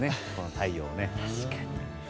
太陽をね。